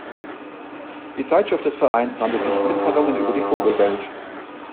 Die Zeitschrift des Vereins nannte sich "Mitteilungen über die Vogelwelt".